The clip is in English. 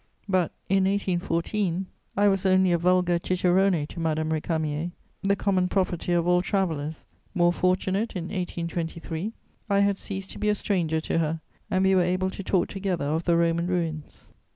But, in 1814, I was only a vulgar cicerone to Madame Récamier, the common property of all travellers; more fortunate in 1823, I had ceased to be a stranger to her and we were able to talk together of the Roman ruins.